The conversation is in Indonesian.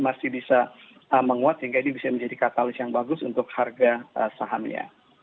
masih bisa menguat sehingga ini bisa menjadi katalis yang bagus untuk harga sahamnya